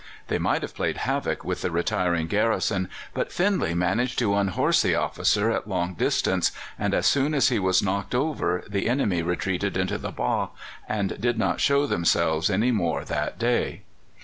They might have played havoc with the retiring garrison, but Findlay managed to unhorse the officer at long distance, and as soon as he was knocked over the enemy retreated into the bâgh, and did not show themselves any more that day.